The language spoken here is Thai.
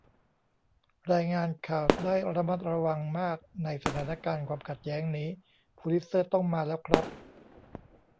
รายงานข่าวได้ระมัดระวังมากในสถานการณ์ความขัดแย้งนี้ พูลิตเซอร์ต้องมาแล้วครับ